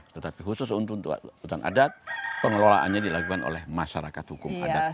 tetapi khusus untuk hutan adat pengelolaannya dilakukan oleh masyarakat hukum adat